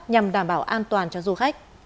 nhằm đảm bảo an toàn cho du khách